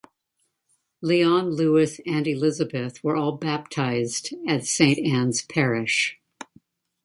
Leon, Louis, and Elizabeth were all baptized at Saint Ann's Parish.